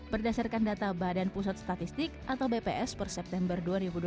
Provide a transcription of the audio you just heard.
berdasarkan data badan pusat statistik atau bps per september dua ribu dua puluh